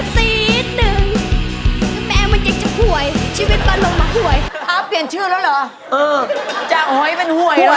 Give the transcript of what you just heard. เออน้องก็มาเล่น